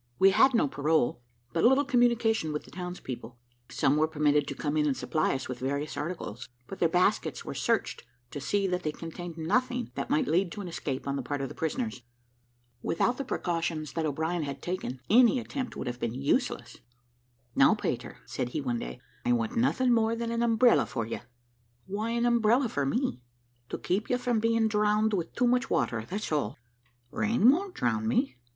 We had no parole, and but little communication with the townspeople. Some were permitted to come in and supply us with various articles; but their baskets were searched, to see that they contained nothing that might lead to an escape on the part of the prisoners. Without the precautions that O'Brien had taken, any attempt would have been useless. "Now, Peter," said he one day, "I want nothing more than an umbrella for you." "Why an umbrella for me?" "To keep you from being drowned with too much water, that's all." "Rain won't drown me."